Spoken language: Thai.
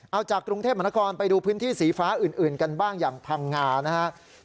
เอาจากกรุงเทพมนครไปดูพื้นที่สีฟ้าอื่นกันบ้างอย่างพังงานะครับ